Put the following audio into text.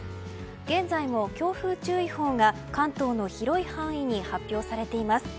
現在も強風注意報が関東の広い範囲に発表されています。